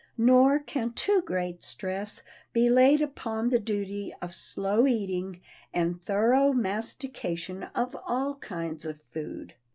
Nor can too great stress be laid upon the duty of slow eating and thorough mastication of all kinds of food.